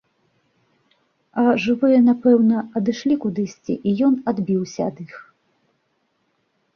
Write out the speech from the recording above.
А жывыя, напэўна, адышлі кудысьці, і ён адбіўся ад іх.